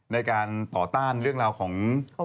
ในการต่อต้านเรื่องราวของ